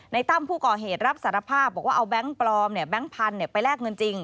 ตั้มผู้ก่อเหตุรับสารภาพบอกว่าเอาแบงค์ปลอมแบงค์พันธุ์ไปแลกเงินจริง